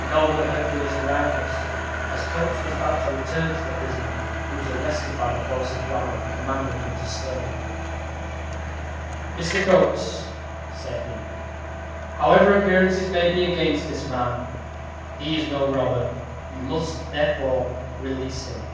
Nor were her fears groundless. As Coates was about to return to the prisoner, he was arrested by the voice of Ranulph, commanding him to stay. "Mr. Coates," said he, "however appearances may be against this man, he is no robber you must, therefore, release him."